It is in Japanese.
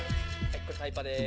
これタイパです」